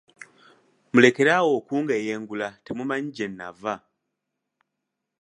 Mulekere awo okungeyengula temumanyi gye nnavva.